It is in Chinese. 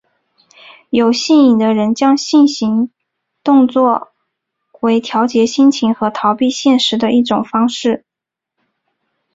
有性瘾的人将性行动作为调节心情和逃避现实的一种方式。